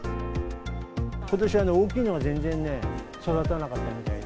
ことしはね、大きいのが全然ね、育たなかったみたいで。